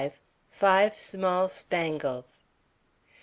FIVE SMALL SPANGLES.